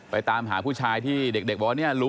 ไปตามหาผู้ชายเนี่ย